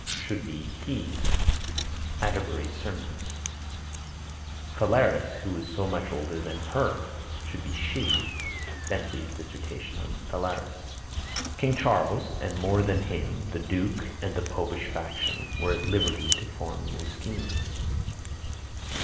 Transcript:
Should be than he. Atterbury's Sermons. "Phalaris, who was so much older than her." Should be she. Bentley's Dissertation on Phalaris. "King Charles, and more than him, the duke and the Popish faction were at liberty to form new schemes."